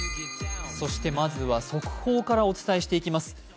まずは、速報からお伝えしていきます。